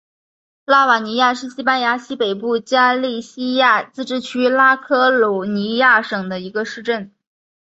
拉瓦尼亚是西班牙西北部加利西亚自治区拉科鲁尼亚省的一个市镇。